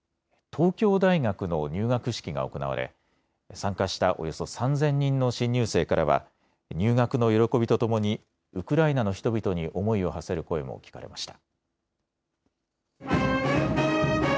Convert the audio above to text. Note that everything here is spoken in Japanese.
東京大学の入学式が行われ参加したおよそ３０００人の新入生からは入学の喜びとともにウクライナの人々に思いをはせる声も聞かれました。